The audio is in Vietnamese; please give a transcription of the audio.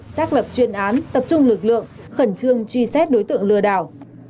xác lập chuyên án tập trung lực lượng khẩn trương truy xét đối tượng lừa đảo